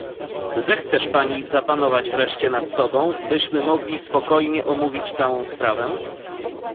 "Zechcesz pani zapanować wreszcie nad sobą, byśmy mogli spokojnie omówić całą sprawę."